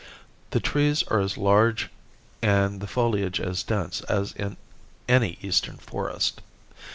The trees are as large and the foliage as dense as in any eastern forest.